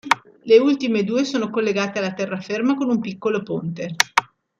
Le ultime due sono collegate alla terraferma con un piccolo ponte.